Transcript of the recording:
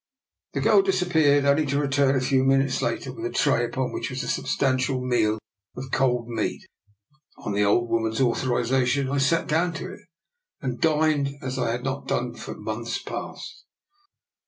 " The girl disappeared, only to return a few minutes later with a tray, upon which was a substantial meal of cold meat. DR. NIKOLA'S EXPERIMENT. 31 On the old woman's authorisation I sat down to it, and dined as I had not done for months past.